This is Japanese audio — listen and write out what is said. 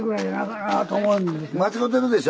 間違うてるでしょ。